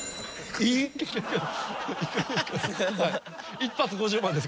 一発５０万です